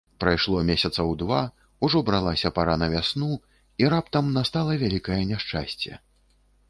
Прайшло месяцаў два, ужо бралася пара на вясну, і раптам настала вялікае няшчасце.